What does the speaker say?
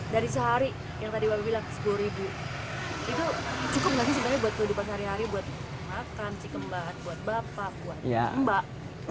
dari sehari yang tadi bapak bilang sepuluh ribu itu cukup gak sih sebenarnya buat berdua di pasar hari hari buat makan cikembat buat bapak buat mbak